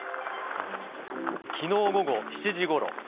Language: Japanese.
きのう午後７時ごろ。